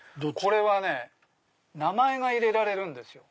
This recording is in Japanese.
これは名前が入れられるんです。